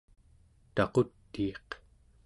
taqutiiq